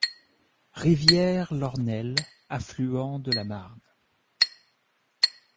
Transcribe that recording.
Rivière l'Ornel, affluent de la Marne.